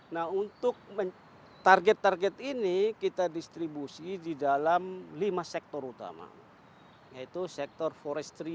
nah untuk target target ini kita distribusi di dalam lima sektor utama yaitu sektor forestry